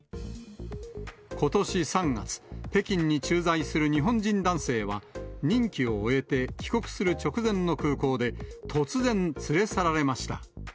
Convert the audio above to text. ことし３月、北京に駐在する日本人男性は、任期を終えて帰国する直前の空港で、突然、連れ去られました。